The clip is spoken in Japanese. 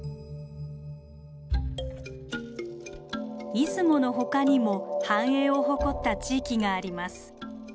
出雲の他にも繁栄を誇った地域があります。